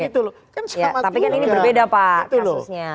tapi kan ini berbeda pak kasusnya